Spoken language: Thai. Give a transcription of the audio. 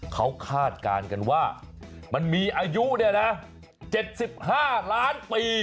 เขาคาดการณ์กันว่ามันมีอายุ๗๕ล้านปี